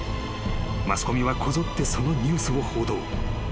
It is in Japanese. ［マスコミはこぞってそのニュースを報道］